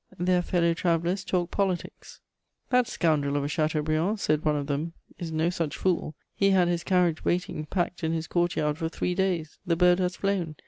Their fellow travellers talked politics: "That scoundrel of a Chateaubriand," said one of them, "is no such fool! He had his carriage waiting packed in his court yard for three days: the bird has flown.